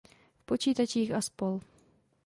V počítačích a spol.